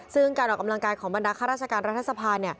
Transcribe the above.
ซึ่งการออกกำลังกายของบรรดาข้าราชการรัฐสภา